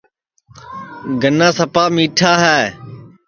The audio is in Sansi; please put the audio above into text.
گنا سپا میٹھا تیا